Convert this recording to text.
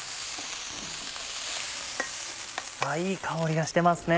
いい香りがしてますね。